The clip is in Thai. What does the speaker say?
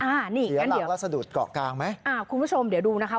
อันนี้เสียหลักแล้วสะดุดเกาะกลางไหมอ่าคุณผู้ชมเดี๋ยวดูนะคะ